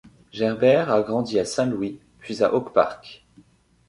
Gerber a grandi à Saint-Louis puis à Oak Park.